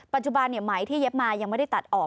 ปัจจุบันเนี่ยไหมที่เย็บมายังไม่ได้ตัดออก